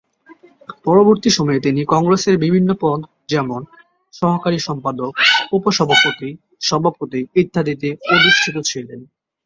পরবর্তী সময়ে তিনি কংগ্রেসের বিভিন্ন পদ যেমন সহকারী সম্পাদক, উপ-সভাপতি, সভাপতি ইত্যাদিতে অধিষ্ঠিত ছিলেন।